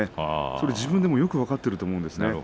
それを自分でもよく分かっていると思うんですね。